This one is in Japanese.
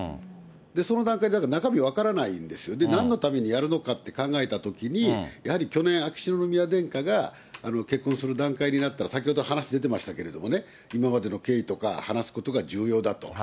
その段階で、中身は分からないんですよね、なんのためにやるのかって考えたときに、やはり去年、秋篠宮殿下が、結婚する段階になったら、先ほどお話出てましたけれどもね、今までの経緯とか、話すことが重要だと。